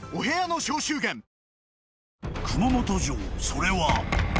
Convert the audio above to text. ［それは］